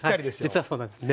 実はそうなんです。